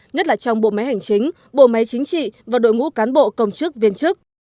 nhất là trong bộ máy hành chính bộ máy chính trị và đội ngũ cán bộ công chức viên chức